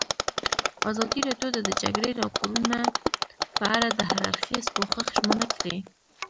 ازادي راډیو د د جګړې راپورونه په اړه د هر اړخیز پوښښ ژمنه کړې.